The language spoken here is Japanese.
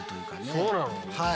そうなの？